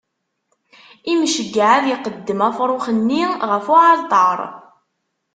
Imceyyeɛ ad iqeddem afṛux-nni ɣef uɛalṭar.